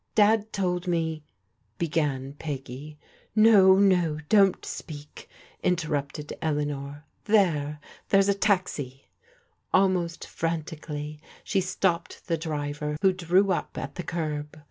" Dad told me " began Peggy. " No I no ! don't speak," interrupted Eleanor. " There, — there's a taxi." Almost frantically she stopped the driver, who drew up at the curb.